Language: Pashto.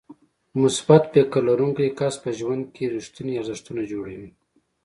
مثبت فکر لرونکی کس په ژوند کې رېښتيني ارزښتونه جوړوي.